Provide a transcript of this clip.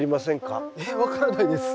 分からないです。